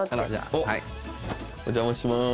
お邪魔します。